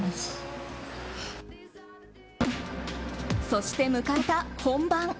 そして迎えた本番。